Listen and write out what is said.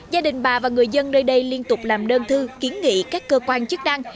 gia đình bà và người dân nơi đây liên tục làm đơn thư kiến nghị các cơ quan chức năng